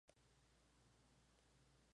Tiene el mayor número de embalses de la nación.